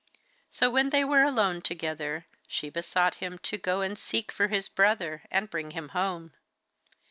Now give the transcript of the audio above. So when they were alone together she besought him to go and seek for his brother and bring him home.